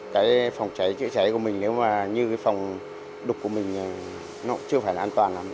cái phòng cháy chữa cháy của mình nếu mà như cái phòng đục của mình nó cũng chưa phải là an toàn lắm